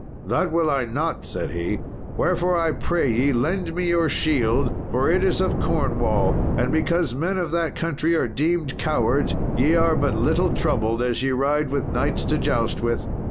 "That will I not," said he; "wherefore, I pray ye, lend me your shield, for it is of Cornwall, and because men of that country are deemed cowards, ye are but little troubled as ye ride with knights to joust with."